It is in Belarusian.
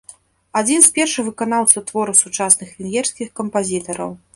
Адзін з першых выканаўцаў твораў сучасных венгерскіх кампазітараў.